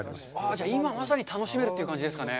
じゃあ今まさに楽しめるという感じですかね。